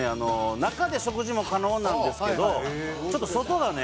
中で食事も可能なんですけどちょっと外がね